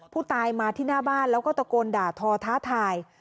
ผู้ตายมาที่หน้าบ้านแล้วก็ตะโกนด่าทอท้าทาย